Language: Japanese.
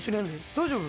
大丈夫？